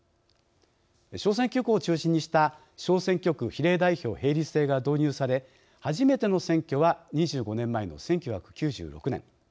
小選挙区を中心にした小選挙区比例代表並立制が導入され初めての選挙は２５年前の１９９６年。